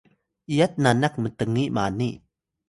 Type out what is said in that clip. iyat nanak mtngi mani